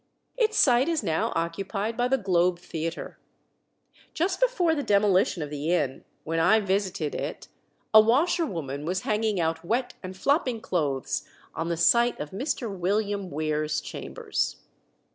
Its site is now occupied by the Globe Theatre. Just before the demolition of the inn, when I visited it, a washerwoman was hanging out wet and flopping clothes on the site of Mr. William Weare's chambers.